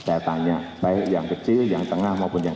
pertanyaan kepada bapak ibu dan